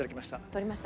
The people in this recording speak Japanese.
取りました。